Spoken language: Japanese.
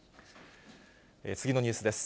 次のニュースです。